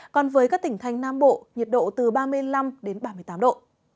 còn với các tỉnh thành nam bộ nhiệt độ từ ba mươi năm đến ba mươi tám độ